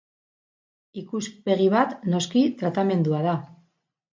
Ikuspegi bat, noski, tratamendua da.